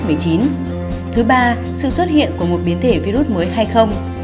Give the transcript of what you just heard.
thứ ba sự xuất hiện của một biến thể virus mới hay không